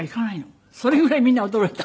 それぐらいみんな驚いた。